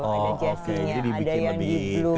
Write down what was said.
ada jazzy nya ada yang di blues